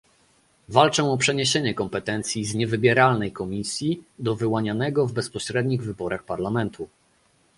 Walczę o przeniesienie kompetencji z niewybieranej Komisji do wyłanianego w bezpośrednich wyborach Parlamentu